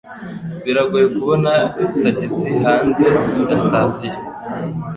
Biragoye kubona tagisi hanze ya sitasiyo.